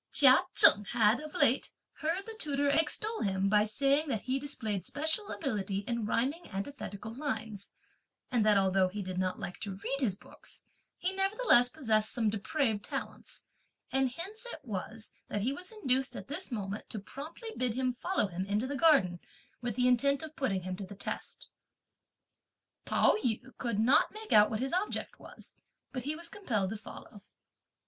Chia Cheng had, of late, heard the tutor extol him by saying that he displayed special ability in rhyming antithetical lines, and that although he did not like to read his books, he nevertheless possessed some depraved talents, and hence it was that he was induced at this moment to promptly bid him follow him into the garden, with the intent of putting him to the test. Pao yü could not make out what his object was, but he was compelled to follow.